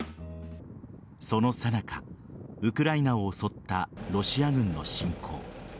そのさなかウクライナを襲ったロシア軍の侵攻。